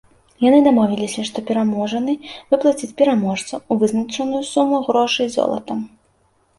Яны дамовіліся, што пераможаны выплаціць пераможцу вызначаную суму грошай золатам.